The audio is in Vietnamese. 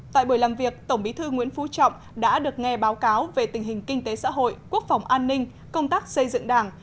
tại buổi làm việc tổng bí thư nguyễn phú trọng đã được nghe báo cáo về tình hình kinh tế xã hội quốc phòng an ninh công tác xây dựng đảng